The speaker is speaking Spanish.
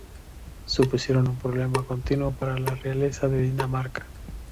Supusieron un problema continuo para la realeza de Dinamarca.